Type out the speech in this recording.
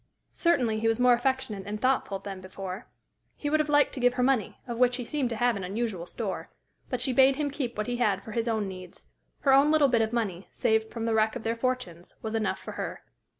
Certainly he was more affectionate and thoughtful than before. He would have liked to give her money, of which he seemed to have an unusual store; but she bade him keep what he had for his own needs. Her own little bit of money, saved from the wreck of their fortunes, was enough for her.